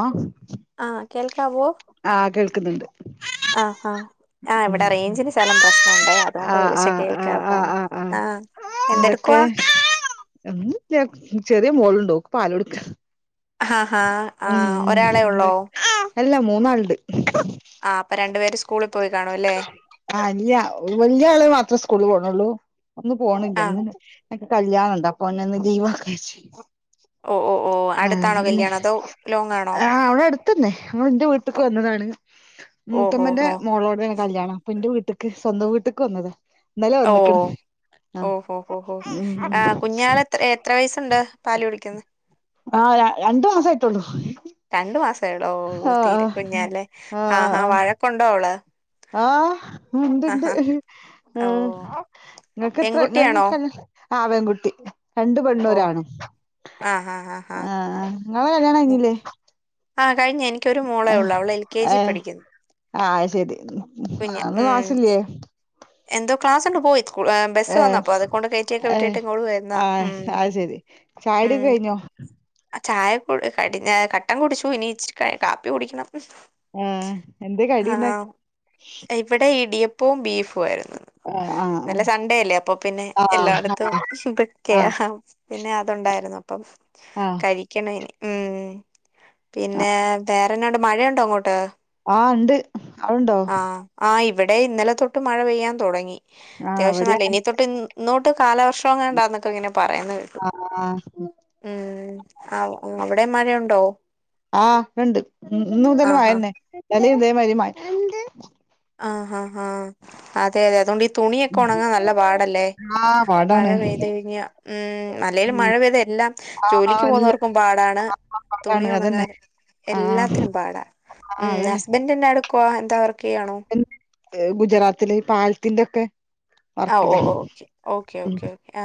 ആ ആഹ് കേൾക്കാവോ ആഹ് കേൾക്കുന്നുണ്ട് ആഹ് ആഹ് ആഹ് ഉം ഇവിടെ റേഞ്ചിന് ശകലം പ്രശ്നുണ്ടെ അതുകൊണ്ട് ആഹ് വിളിച്ചിട്ട് ആഹ് കേൾക്കാ ആഹ് പോ ആഹ് ആഹ് എന്തൊക്കെ എന്തെടുക്കുവാ ചെറിയ മോളുണ്ടോ പാലോടുക്ക ഹാ ഹാ ആഹ് ഒരാളെ ഉം അല്ലാ മൂന്നാളണ്ട് ആ അപ്പൊ രണ്ടു പേര് സ്കൂളിൽ പോയി കാണും അല്ലേ ആ ഇല്യ വലിയ ആളെ മാത്രേ സ്കൂള് പോണള്ളൂ ഇന്ന് പോണില്ല ആഹ് എന്ന എക്ക് കല്യണുണ്ട് അപ്പൊ ഇന്ന് ഒന്ന് ലീവാക്കാന്ന് വെച്ച് ഓ ഓ ഓ അടുത്താണോ ആഹ് കല്യാണം അതോ ലോങ്ങാണോ ആ അവിടെ അടുത്തന്നെ എന്റെ വീട്ടിക്ക് വന്നതാണ് ഓഹോ മൂത്തമ്മന്റെ ഹോ ഹോ മോളോട് തെ കല്യാണം അപ്പൊ എന്റെ വീട്ടിക്ക് സ്വന്തം വീട്ടക്ക് വന്നതാ ഇന്നലെ ഓ വന്നിക്കണ് ഓഹോ ഓഹോ ആ കുഞ്ഞാൾ എത്ര എത്ര വയസുണ്ട് പാല് കുടിക്കുന്ന ആഹ് രണ്ടു മാസ ആയിട്ടോുള്ളൂ രണ്ടു മാസേള്ളോ തീരെക്കുഞ്ഞല്ലേ ആഹ് ആഹ് ആഹാ വഴക്കൊണ്ടോ അവള് ആഹ് ആഹ് ഉതുണ്ട് ഹാ ഉ ഓ നിനക്ക് എത്ര ഞ പെൺകുട്ടിയാണോ ആ പെൺ കുട്ടി രണ്ട് പെണ്ണും ഓ ഒരാണും ആഹ് ഹാ ഹാ ഹാ ആ ഞ്ഞില്ലേ കഴിഞ്ഞഞ് എനിക്ക് ഒരു മോളു ഉള്ളൂ അവളള് എൽ കെ ജി പഠിക്കുന്നു ആഹ് ശെരി കുഞ്ഞാ ആ ഒന്ന് ഉം ക്ലാസ്സില്ലേ എന്തോ ക്ലാസ് ഉണ്ട് പോയി സ്കൂ ബസ്സ് ഏർ വന്നപ്പോ അത് കൊണ്ട് കയറ്റിയൊക്കെ വിട്ടിട്ട് ഇങ്ങോട്ട് വരുന്നതാ ഉം ആഹ് അ ശരി ചായുടി ഉം ഒക്കെ കഴിഞ്ഞോ ഉം ആ, ചായ കു കടിഞ്ഞ കട്ടം കുടിച്ചു ഇനി ഇച്ചിരി കാപ്പി കുടിക്കണം മം എന്തൊ ആ കടിണ്ടാക്കി അപ്പോം ബീഫുമായിരുന്നു ആഹ് ഇല്ല സൺണ്ടേ അല്ലേ അപ്പൊ പിന്നെ ആഹ് എല്ലായിടത്തും ആഹ് ആഹ് ഇതൊക്കെയാ പിന്നെ അതുണ്ടായിരുന്നു അപ്പം ആഹ് കഴിക്കണം ഇനി ഉം പിന്നെ ആഹ് വേറെന്നാണ്ട് മഴയുണ്ടോ അങ്ങോട്ട് ആ ഇണ്ട് ആ് ആ് ഇവിടെ ഇന്നലെ തൊട്ട് മഴ പെയ്യാൻ തുടങ്ങി ആഹ് അത്യാവശ്യം ഇവിടെയും നല്ല ഇനി അങ്ങനെ തൊട്ട് കാലവർഷോങ്ങണ്ടാന്നൊക്കെ ഇങ്ങനെ പറയന്ന് കേട്ടു ആഹ് ആഹ് മം ആ അവിടെ മഴ ഉണ്ടോ ആഹ് ഇണ്ട് ഉ ഇന്ന് മുതൽ മഴ ആഹാ ഇണ്ട് ഇന്നലേം ഇതേമാരി മയ ആഹ് ആാ ആാ അതെ അതെ അതുകൊണ്ട് ഈ തുണിയൊക്കെ ഉണങ്ങാൻ നല്ല പാടല്ലേ ആഹ് മഴ പാടാണ് പെയ്ത് കഴിഞ്ഞ ഉം അല്ലേലും മഴ പെയ്ത എല്ലാം ആഹ് ജോലിക്ക് അല്ല പോകുന്നവർക്കും പാടാ പാടാണ് തുണി അതന്നെ ഉണങ്ങാൻ ആഹ് എല്ലാത്തിനും പാട ഉ ആഹ് അതന്നെ ഹസ്ബൻഡ് എന്ന കൊവാ എന്താ വർക്കയ്യണോ പിന്നെ ഗുജറാത്തില് പാൽത്തിന്റെക്കെ ആ ഓ ഓക്കെ ഓക്കേ ഓക്കേ ഓ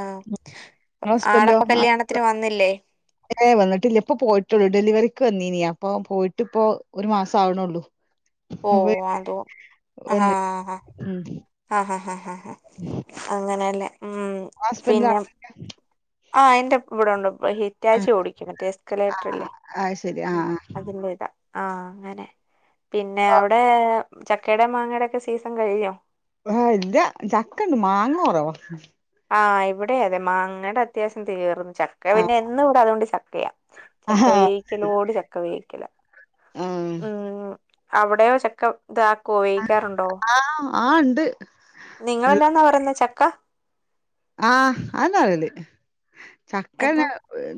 ഇങ്ങളെ ആ ആളപ്പ കല്യാണത്തിന് വന്നില്ലേ ഏ വന്നിട്ടില്ലപ്പൊ പോയിട്ടുള്ളു ഡെലിവറിക്ക് വന്നീനി അപ്പൊ പോയിട്ട്പ്പൊ ഒരു മാസാവണള്ളൂ ഓ അതൊ ആഹ വന്ന് ഉം ആ ഹാ ഹാ ഹ അങ്ങനെയല്ലെ ങ്ങളാസ്‌ബന്റ് നാട്ടില്ല ആഹ് എന്റെ വിടെ ഉണ്ട് ഹിറ്റാച്ചി ആഹ് ഓടിക്കും മറ്റേ എസ്കലേറ്റർ ആഹ് അല്ലേ അത് ശരി ആഹ് അതിന്റെ ഇതാ ആ അങ്ങനെ പിന്നെ അവിടെ ചക്കയുടെ മാങ്ങയുടെ ഒക്കെ സീസൺ കഴിയോ ആ ഇല്ല ചക്കണ്ട് മാങ്ങ കൊറവ ആ ഇവിടെ അതെ മാങ്ങടെ അത്യാവശ്യം തീർന്ന് ചക്ക ആഹ് പിന്നെ എന്നും കൂട അതുകൊണ്ട് ചക്കയാ ചക്ക ആഹ് വേിക്കലോട് ചക്ക വേവിക്കല ഉം അവിടെയോ ചക്ക താക്കോ വേയിക്കാറുണ്ടോ ആഹ് ആഹ് ഇണ്ട് നിങ്ങളെന്നാന്നാ പറന്ന ചക്ക ആഹ് [unintelligible] ചക്ക എന്തോ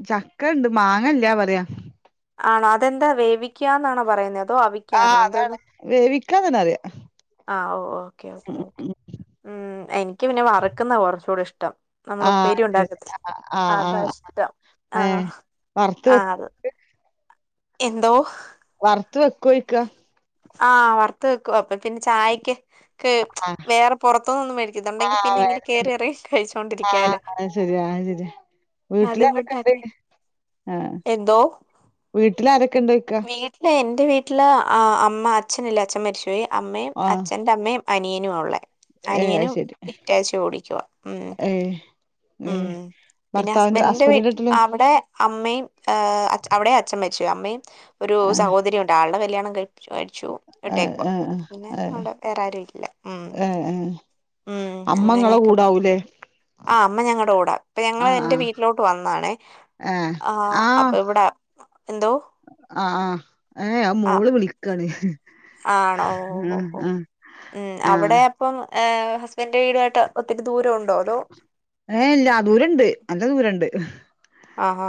ച ക്കെണ്ട് മാങ്ങല്ല പറയാ ആണോ അതെന്താ വേവിക്കാന്നാണൊ പറയുന്നെ അതോ ആ അവിക്കാന്നോ അതാണ് എന്തോന്ന് വേവിക്കാന്നന്നെ അറിയ ആ ഓ ഓക്കേ ഓക്കേ ഓക്കേ ഉം എനിക്ക് പിന്നെ വറക്കുന്ന കൊറച്ചൂടി ഇഷ്ടം നമ്മള് ആഹ് ഉപ്പേരി ശരി ഉണ്ടാക്കത്തി ആഹ് ആഹ് അതാ ആഹ് ഇഷ്ടം ഏഹ് ആഹ് വറുത്ത് വെക്ക ആഹ് അത് എന്തോ ത്ത് വെക്കോയിക്ക ആ വറുത്ത വെക്കും അപ്പൊ പിന്നെ ചായക്ക് ആഹ് വേറെ പൊറത്ത്നൊന്നും മേടിക്കത്ണ്ടെങ്കി ആഹ് പിന്നെ ഇങ്ങനെ വയലറ്റുണ്ട് കേറിയറി കഴിച്ചോണ്ടിരിക്കാലൊ ര വീട്ട്ലാരൊക്കെണ്ട് ആ എന്തോ വീട്ട്ലാര വീട്ടില് എന്റെ വീട്ടില് അ അമ്മ അച്ഛനില്ല അച്ചൻ മരിച് പോയി അമ്മയും ആഹ് അച്ഛൻ്റെ അമ്മയും അനിയനുആ ഉള്ളെ ഏഹ് അത് അനിയനും ശരി വിറ്റാച്ച ഓടിക്കുഅ ഉം ഏഹ് ഉം ഏഹ് പിന്നെ ഭർത്താവിന്റെ ഹസ്ബന്റിന്റെ ഹസ്ബൻഡിന്റെ വീട്ട് വീട്ടിലോ അവടെ അമ്മയും ആ അച്ച അവിടെയും അച്ഛൻ മരിച്ചോയ് അമ്മയും ഒരു ആഹ് സഹോദരിയുണ്ട് ആൾടെ കല്ല്യാണം കഴിച്ചു ആഹ് ഇട്ടേക്കവ ആഹ് പിന്നെ ആഹ് ഏഹ് അവിടെ വേറാരുല്ല ഉം ഉം അമ്മങ്ങളെ അങ്ങനെയൊക്കെ പോയി. കൂടാവുലെ ആ അമ്മ ഞങ്ങടെ കൂട പ്പ ഞങ്ങളെന്റെ വീട്ടിലോട്ട് വന്നാണെ ഏഹ് ആ അപ്പൊവ്ട ആ ആ ഏ അ മോള് വിളിക്കാണ് ആണോഓഓ ആഹ് ഓഓ ആഹ് ഉം ആഹ് അവിടെ അപ്പം ഏ ഹസ്ബന്റെ വീടായിട്ട് ഒത്തിരി ദൂര ഉണ്ടോ അതോ ഏ ഇല്ല ദൂരണ്ട് നല്ല ദൂരണ്ട് ആഹാ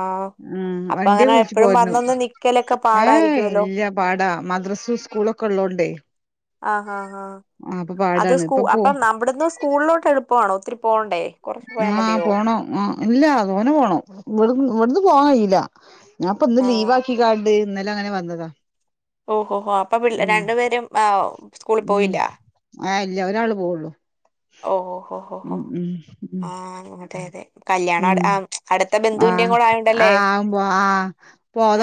മ് അപ്പൊ വണ്ടി അങ്ങനെ വുൾച് എപ്പഴും പോര്നൊ വന്നൊന്ന് നിക്കലൊക്കെ ഏ പാടായിരിക്കുവല്ലോ ഇല്ല പാട മദ്രസു സ്കൂളൊക്കെള്ളോണ്ടേ ആ ആ ആ അത് സ്കൂ ഇപ്പൊ പോ അപ്പം നമ്മടന്ന് സ്കൂളിലോട്ട് എള്പ്പാണോ ഒത്തിരി പോ ആഹ് പോണൊ ആ ഇല്ല തോനെ പോണം ഇവിട ഇവിടുന്ന് പോവായില്ല ഞാപ്പൊ ന്ന് ആ ലീവാക്കികാണ്ട് ഇന്നലെ അങ്ങനെ വന്നത ഓഹോ ഹോ അപ്പൊ പിൾ രണ്ടു പേരും ആ സ്കൂളിൽ ഉം പോയില്ല ആഹ് ഇല്ല ഒരാൾ പോവള്ളൂ ഓ ഓ ഓ ഓ ഹൊ ഉം ആ അതെ അതെ കല്യാണ അടുത്ത ബൻ ആ ആ ആ പൊ ആ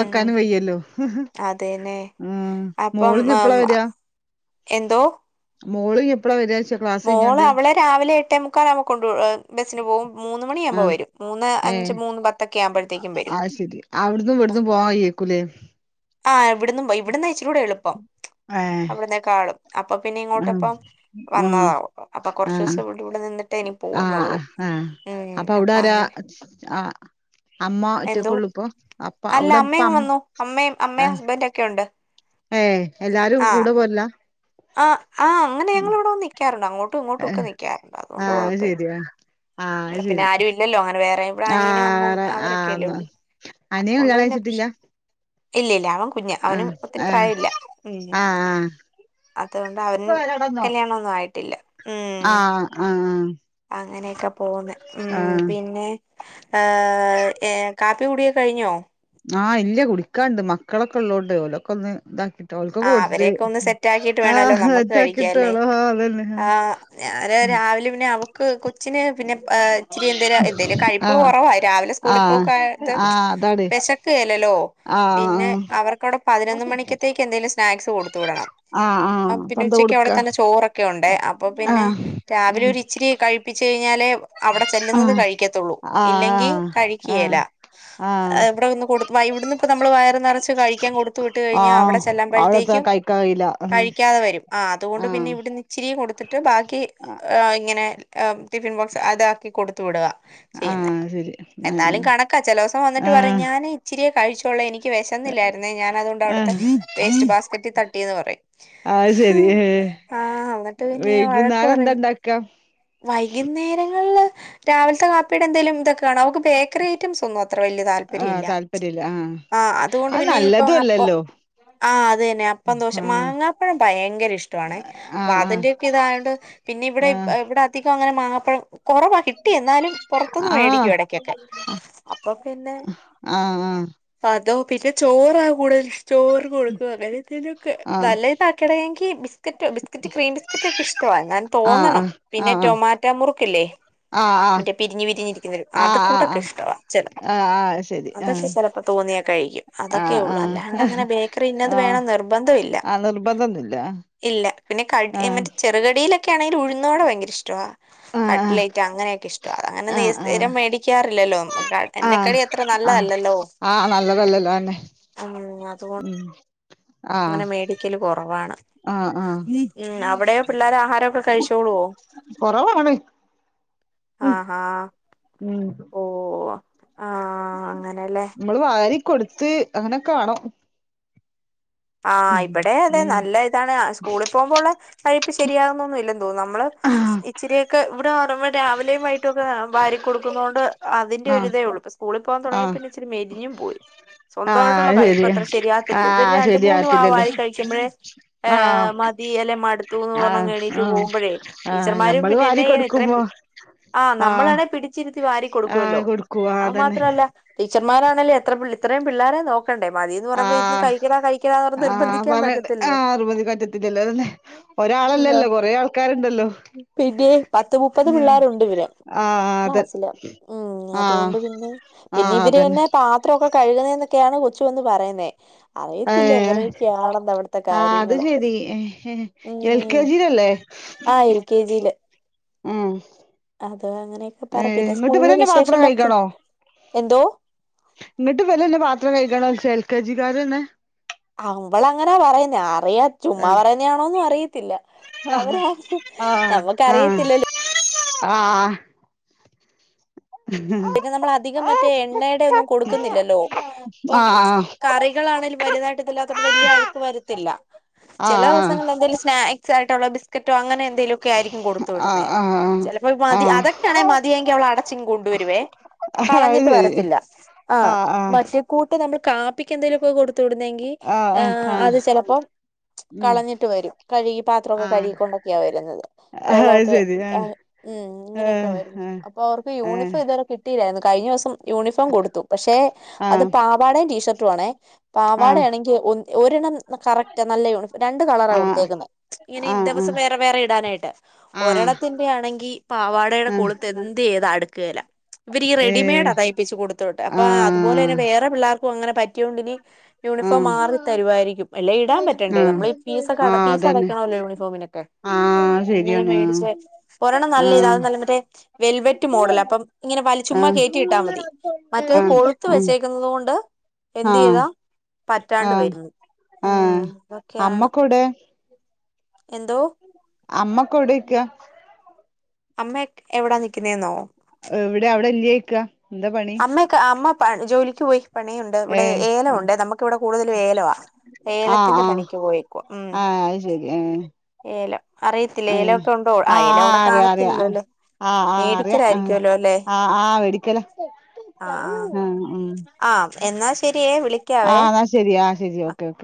ഉം വയ്യല്ലോ അതേന്നെ ആ അപ്പം ഉം, മോളിഞ്ഞെപ്പളാ വരാ എന്തോ മോളും എപ്പഴാ വരാ മോള്. അവളെ രാവിലെ എട്ടേ മുക്കാലാവുമ്പോ [unintelligible] കൊണ്ട് ബസ്സിന് പോവും. മൂന്ന് മണി ആവുമ്പോ ആഹ് വരും മൂന്ന്അഞ്ച്, ഏഹ് മൂന്ന്പത്തൊക്കെ ആവുമ്പോഴത്തേക്കും വരും. കുല ആ ഇവിടന്നും [unintelligible] ഇവിടന്ന് [unintelligible] ഇവിടെ എളുപ്പം. ഏഹ് അവിടുന്നേക്കാളും. അപ്പൊ പിന്നെ ആഹ് ഇങ്ങോട്ടപ്പം ആഹ് വന്നതാ [unintelligible] അപ്പൊ കൊറച്ച് ദിവസം ഇവിടെ നിന്നിട്ടേ എനി ആഹ് പോകുന്നുള്ളൂ. ആഹ് ആ അപ്പൊ അങ്ങനെ ആ അമ്മ എന്തോ ഒറ്റക്കൊള്ളൂ ഇപ്പൊ. അപ്പ അല്ല അവിടെ ഇപ്പ അമ്മയും അമ്മ വന്നു അമ്മയും ആ അമ്മയും [unintelligible] ഏ എല്ലാരും ആ കൂടെ പോരില്ല. ആ ആ അങ്ങനെ ഞങ്ങളിവിടെ വന്ന് നിക്കാറുണ്ട്. അങ്ങോട്ടും ഇങ്ങോട്ടും ഒക്കെ ഏഹ് നിക്കാറുണ്ട്. അതുകൊണ്ട് ആഹ് അത് കൊഴപ്പമില്ല. ശരി ആഹ് ആഹ് അത് ഇവിടെ പിന്നെ ശരി ആരും ഇല്ലല്ലോ. അങ്ങനെ വേറെ. ഇവിടെ അനിയനും ആഹ് അമ്മും വേറെ അവരൊക്കെയല്ലോ ആഹ് ഒള്ളൂ അതുകൊണ്ട് പിന്നെ പ്രശ്നം [unintelligible] ഇല്ല ഇല്ല അവനും കുഞ്ഞാ. അവനും ആഹ് ഒത്തിരി ഏഹ് പ്രായം ഇല്ല. ഉം. ആഹ് അതുകൊണ്ട് അവന് കല്യാണൊന്നും ആയിട്ടില്ല. ഉം ആ ആ. അങ്ങനെയൊക്കെ പോന്ന്, ഉം, പിന്നെ ഏ ഏ കാപ്പി കുടിയൊക്കൊ കഴിഞ്ഞോ? ആ, ഇല്ല. കുടിക്കാ ഒണ്ട്. മക്കളൊക്കെ ഒള്ളോണ്ട്. ഓലൊക്കെ ഒന്ന് ഇതാക്കി ആ അവരെയൊക്കെ ഒന്ന് സെറ്റാക്കിയിട്ട് വേണമല്ലോ നമുക്ക് കഴിക്കാൻ അല്ലേ? ആഹ് ഞാന് [unintelligible] രാവിലെ പിന്നെ അവക്ക് കൊച്ചിന് പിന്നെ ഇച്ചിരി എന്തേലും എന്തെലും കഴിപ്പ് ആഹ് കുറവാ രാവിലെ സ്കൂളിൽ ആഹ് പോക് [unintelligible] ആഹ് അതാണ് വിശക്കേല്ലല്ലോ. ആഹ് പിന്നെ അവർക്കവിടെ പതിനൊന്ന് മണിക്കത്തേക്ക് എന്തേലും സ്നാക്സ് കൊടുത്തു വിടണം. ആഹ് ആഹ് ആ അപ്പൊ പിന്നെ എന്താ ഉച്ചക്ക് കൊടുക്ക അവിടെ തന്നെ ചോറൊക്കെ ഒണ്ട്. അപ്പൊ പിന്നെ ആഹ് രാവിലെ ഉം ഒരു ഇച്ചിരി കഴിപ്പിച്ചു കഴിഞ്ഞാല് അവിടെ ചെല്ലുന്നത് ആഹ് കഴിക്കത്തുള്ളൂ. ഇല്ലെങ്കി ആഹ് കഴിക്കുകേല ആഹ് ആഹ് ഇവിടെ വന്ന് കൊ ഇവിടുന്ന് ഇപ്പ നമ്മള് വയറ് നിറച്ച് കഴിക്കാൻ കൊടുത്തു വിട്ട് കഴിഞ്ഞാൽ ആഹ് അവിടെ ചെ അവളെത്താ ചെല്ലുമ്പഴത്തേയ്ക്കും കഴിക്കാൻ കഴിയില്ല ആഹ് കഴിയ്ക്കാതെ വരും. ആ അതുകൊണ്ട് പിന്നെ ആഹ് ഇവിടുന്നിച്ചിരി കൊടുത്തിട്ട് ബാക്കി ഇങ്ങനെ ടിഫിൻ ബോക്സ് അതാക്കി കൊടുത്തു വിടുക ചെയ്യുന്ന ആഹ് ശരി ആഹ് എന്നാലും കണക്കാ. ചെല ദെവസം വന്നിട്ട് ആഹ് പറയും ഞാൻ ഇച്ചിരിയെ കഴിച്ചോളേ. എനിക്ക് വെശന്നില്ലായിരുന്നേ. ഞാൻ അതുകൊണ്ട് അവിടുത്തെ ആഹ് വേസ്റ്റ് ബാസ്കറ്റിൽ തട്ടീന്ന് പറയും. അത് ശരി ആ എന്നിട്ട് പിന്നെ വഴക്ക് വൈകുന്നേരം എന്താ പറേന്ന് ഇണ്ടാക്ക വൈകുന്നേരങ്ങളില് രാവിലത്തെ കാപ്പീടെ എന്തേലും [unintelligible] [unintelligible] ബേക്കറി ഐറ്റംസ് ഒന്നും അത്ര വലിയ ആഹ് താല്പര്യമില്ല. താല്പര്യല്ല ആ അതുകൊണ്ട് പിന്നെ ഇപ്പോ [unintelligible] ഹലോ ആ അത് തന്നെ. അപ്പം ദോശേം. മാങ്ങാപ്പഴം ഭയങ്കര ഇഷ്ടമാണ്. അപ്പൊ ആഹ് അതിന്റെ ഒക്കെ ഇതായോണ്ട് പിന്നെ ഇവിടെ ആഹ് ഇവിടെ അധികം അങ്ങനെ മാങ്ങാപ്പഴം കൊറവാ. കിട്ടി. എന്നാലും പൊറത്തൂന്ന് മേടിക്കും ആഹ് ഇടക്കൊക്കെ. അപ്പൊ പിന്നെ ആഹ് [unintelligible] പിന്നെ ചോറാ കൂടുതൽ. ചോറ് കൊടുക്കും അങ്ങനെ എന്തേലുമൊക്കെ. ആഹ് നല്ല ഇതാക്കണമെങ്കിൽ ബിസ് ക്കറ്റ് ബിസ്ക്കറ്റ്, ക്രീം ബിസ്ക്കറ്റൊക്കെ ഇഷ്ടമാ. ഞാൻ. ആഹ് ആഹ് തോന്നണം പിന്നെ ആഹ് ആഹ് ടൊമാറ്റോ മുറുക്കില്ലേ ആഹ് മറ്റേ പിരിഞ്ഞു പിരിഞ്ഞിരിക്കുന്ന അത് ആഹ് കൂടൊക്കെ ആഹ് ഇഷ്ടവാ. ചെല ആഹ് [unintelligible] ആഹ് ശരി ആഹ് അതൊക്കെ ചെലപ്പ തോന്നിയാ കഴിക്കും. അതൊക്കെയ ഒള്ള്. അല്ലാണ്ട് അങ്ങനെ ആഹ് ബേക്കറി ഇന്നത് വേണം ആഹ് നിർബന്ധം ഇല്ല. നിർബന്ധൊന്നുല്ല ഇല് ല്ല പിന്നെ കട്. ആഹ് നിർബന്ധൊന്നുല്ല ആഹ് മറ്റേ ചെറുകടിയിലൊക്കെ ആണെങ്കിൽ ഉഴുന്നുവട ഭയങ്കര ഇഷ്ടവാ. കട്ട്ലൈറ്റ് അങ്ങനെയൊക്കെ ഇഷ്ടവാ. അതങ്ങനെ ആഹ് സ്ഥിരം ആഹ് മേടിക്കാറില്ലല്ലോ [unintelligible] എണ്ണക്കടി അത്ര നല് അല്ല അല്ലല്ലോ ആ നല്ലതല്ലല്ല. തന്നെ. അതുകൊണ്ട് ഉം ആഹ് അങ്ങനെ മേടിക്കല് കൊറവാണ്. ആഹ് ആഹ് അവിടെ പിള്ളേരാ ഹാരമൊക്കെ കഴിച്ചോളുവോ കൊറവാണ് ഉം ആഹാ ഉം ഓ ആഹ് അങ്ങനെല്ലേ മ്മള് വാരി കൊടുത്ത് അങ്ങനെക്കൊണോ ആ ഇവിടെ അതെ ഉം നല്ല ഇതാണ് സ്കൂളിൽ പോകുമ്പോള്ള കഴിപ്പ് ശരിയാകുന്നൊന്നും ഇല്ല തോന്നുന്നു നമ്മള് ആഹ് ഇച്ചിരിയൊക്കെ ഇവിടെ പറയുമ്പോൾ രാവിലെയും വൈകിട്ടുമൊക്കെ വാരി കൊടുക്കുന്ന കൊണ്ട് അതിന്റെ ആഹ് ഒരീതെ ഉള്ളൂ ഇപ്പോ സ്കൂളിൽ പോവാൻ തുടങ്ങി ആഹ് പിന്നെ ഇച്ചിരി മെലിഞ്ഞും പോയി സ്വന്തമായിട്ടുള്ള ആഹ് ശരിയാ കഴിപ്പത്ര ശരിയാകത്തില്ല ആഹ് ഇവര് ശരിയാവത്തില്ലല്ലോ ര ഏ ആഹ് മതി അല്ലെ മടുത്തുന്ന് ആഹ് പറഞ്ഞങ്ങു എണീട്ട് ആഹ് പോകുമ്പോഴേ ആഹ് ടീച്ചർമാരും ഞമ്മള് പിന്നെ വാരി എന്നാ ചെയ്യാനാ ഇത്രയും കൊടുക്കുമ്പോ പി ആ ആഹ് നമ്മളാണെ പിടിച്ചിരുത്തി വാരി ആഹ് കൊടുക്കുവല്ലോ കൊടുക്കൂ ആഹ് അത് അതന്നെ മാത്രല്ല ടീ ച്ചർമാരാണല്ലേ എത്ര ഇത്രയും പിള്ളേരെ നോക്കണ്ടേ മതിന്ന് പറുമ്പോ ഇരുന്നു കഴിക്കേഡാ കഴി ആഹ പറയേണ്ടെ ആ അതുമതി പറ്റത്തില്ലല്ലോ പിന്നെ ആഹ് ഒരാളല്ലല്ലോ കൊറെ ആൾക്കാരുണ്ടല്ലോ പിന്നെ പത്ത് മുപ്പത് ഉം പിള്ളേരുണ്ട് ഇവര് ആഹ് അതെ ക്ലാസ്സില് ഉം ആഹ് അതുകൊണ്ട് പിന്നെ പിന്നെ ആഹ് ഇവര് അതന്നെ തന്നെ പാത്രൊക്കെ കഴുകുന്നേന്നൊക്കെയാണ് കൊച്ചു വന്ന് പറയുന്നേ അ യത്തില്ല ഏഹ് എങ്ങനെയൊക്കെയാണെന്ന് അവിടത്തെ ആഹ് അത് കാര്യങ്ങൾ ശരി എൽ ഉം കെ ജിയിലല്ലേ ആ എൽ കെ ജിയില് ഉം അത് അങ്ങനെയൊക്കെ പറ ഏഹ് പിന്നെ ഇങ്ങട്ട് സ്കൂളില് ഇവരന്നെ പാത്രം വിശേഷം പറച്ചിൽ എന്തോ ഇങ്ങിട്ട് ഇവരന്നെ പാത്രം കഴുകണം എൽ കെ ജിക്കര്ന്നെ അവള അങ്ങനാ പറയുന്നേ അറിയാം ചുമ്മാ ആഹ് പറയുന്നയാണോന്നും അറിയത്തില്ല ആഹ് [inaudible] നമ്മുക്കറിയത്തില്ലല്ലോ ആ ആഹ് ആഹ് പിന്നെ നമ്മൾ അധികം മറ്റേ എണ്ണയുടെ ഒന്നും കൊടുക്കുന്നില്ലല്ലോ ഇപ്പം ആഹ് കറികളാണേലും വലുതായിട്ട് [unintelligible] ഇല്ലാത്തുകൊണ്ട് വലിയ അഴുക്ക് വരത്തില്ല ചില ദിവസങ്ങളിൽ ആഹ് എന്തെലും സ്നാക്സ് ആയിട്ടുള്ള ബിസ്ക്കറ്റോ അങ്ങനെ എന്തേലുമൊക്കെ ആയിരിക്കും കൊടുത്തു വിടുന്നേ ആഹ് ചിലപ്പോ മതി ആഹ് അതൊക്കൊണേ മതിയെങ്കി അവള അടച്ചിങ്ങു കൊണ്ടുവരും അത് കളഞ്ഞിട്ട് ശരി വരത്തില്ല ആ മറ്റേ കൂട്ട് നമ്മള് കാ പ്പിക്ക് എന്തെലുവൊക്കെ കൊടുത്തു വിടുന്നെങ്കിൽ ആഹ് ആഹ് ആ ആഹ് ആഹ് അത് ചെലപ്പോ ഉം കളഞ്ഞിട്ട് വരും കഴുകി പാത്രൊക്കെ ആഹ് കഴുകിക്കൊണ്ടൊക്കെയാ വരുന്നത് അത് വെള്ളമൊക്കെ ശരി ആ ആഹ് എ ഉം ഇങ്ങനെയൊക്കെ വരുന്നു ആഹ് അപ്പൊ അവർക്ക് ആഹ് യൂണിഫോം ഇതുവരെ കിട്ടിയില്ലായിരുന്നു കഴിഞ്ഞ ദിവസം യൂണിഫോം കൊടുത്തു പക്ഷെ അത് ആഹ് പാവാടയും ടീഷർട്ടും ആണേ ആഹ് ആഹ് പാവാടയാണെങ്കിൽ ഒ ഒരെണ്ണം കറക്റ്റാ നല്ല യൂണിഫോം രണ്ടു കളറാ ആഹ് കൊടുത്തേക്കുന്നെ ഇങ്ങനെ ആഹ് ദിവസം വേറെ വേറെ ഇടനായിട്ട് ഓരോ ആഹ് ത്തിന്റെ ആണെങ്കി പാവാടയുടെ ആഹ് കൊളുത്ത് എന്ത് ചെയതാ അടു ഇവരീ ഏഹ് റെഡിമെയ്ഡാ തയിപ്പിച്ച് കൊടുത്തു വിട്ടേ അപ്പ ആ അതുപോല തന്നെ ആഹ് വേറെ പിള്ളാർ അങ്ങനെ പറ്റിയോണ്ടിനി യൂണിഫോം ആഹ് മാറി തരുവായിരിക്കും അല്ലേ ഇടാൻ ആഹ് പറ്റേണ്ടേ ആഹ് നമ്മളീ ഫീസൊക്കെ അട ഫീസ് [unintelligible] അതന്നെ വെക്കണമല്ലോ യൂണിഫോമിനൊക്കെ ആഹ് അങ്ങനെ ശരിയാണ് മേടിച്ച ഒരെണം നല്ല ഇത ആഹ് അത് നല്ല മറ്റേ വെൽവെറ്റ് മോഡൽ അപ്പം ഇങ്ങനെ വലിച്ചുമ്മാ ആഹ് കയറ്റിയിട്ടാ മതി മറ്റത് ആഹ് കൊളുത്ത് ഉം വെച്ചേക്കുന്നത് കൊണ്ട് എന്ത് ആഹ് ചെയ്താ പറ്റാണ്ട് ആഹ് വരുന്നു ആഹ് ഉം ഇതൊക്കെയാണ് അമ്മക്കെവ്ടെ എന്തോ അമ്മൊക്കെ എവിടേയ്ക അമ്മ ഒക്കെ എവിടാ നിക്കുന്നേന്നോ എവിടെ അവിടെ ഇല്ലക്ക അമ്മക്ക അമ്മ പ ജോലിക്ക് പോയി പണിയുണ്ട് ഇവിടെ ഏഹ് ഏലവൊണ്ടെ നമുക്കിവിടെ കൂടുതലും ഏലവാ ആഹ് ഏലത്തിന്റെ ആഹ് പണിക്ക് പോയേക്കുവാ ഉം ആഹ് അത് ശരി ഏഹ് ഏലം അറിയത്തില്ല ഏലം ഏഹ് ഒക്കെ ഉണ്ടോ ആ ഏലം അവിടെ കാണത്തില്ലല്ലോ അല്ലേ ആ ആ അറിയാം മേടിക്കലായിരിക്കുവല്ലോ അല്ലേ ആ ആ ആ വെടിക്കല ആ ആ എന്നാ ശരിയേ വിളിക്കാവേ ആഹ് എന്നാ ശരി ആഹ് ശരി ആ ഓക്കെ ഓക്കെ